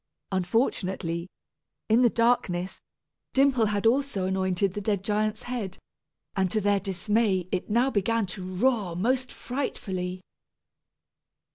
Unfortunately, in the darkness, Dimple had also anointed the dead giant's head, and to their dismay it now began to roar most frightfully.